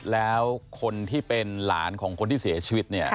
แล้วคนที่เป็นหลานของคนที่เสียชีวิตเนี่ย